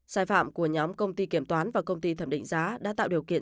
sai phạm của nhóm công ty kiểm toán và công ty thẩm định giá đã tạo điều kiện